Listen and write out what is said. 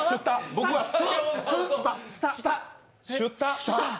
僕はス。